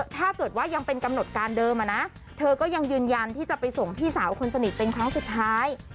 ถ้าเกิดว่ายังเป็นกำหนดการเดิมอะนะเธอก็ยังยืนยันที่จะไปส่งพี่สาวคนสนิทเป็นครั้งสุดท้าย